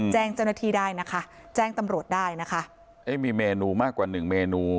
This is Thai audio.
แจ้งเจ้าหน้าที่ได้นะคะแจ้งตำรวจได้นะคะเอ๊ะมีเมนูมากกว่าหนึ่งเมนู